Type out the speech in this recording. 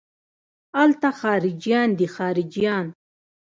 الته خارجيان دي خارجيان.